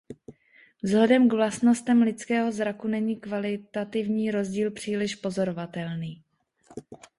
Vzhledem k vlastnostem lidského zraku není kvalitativní rozdíl příliš pozorovatelný.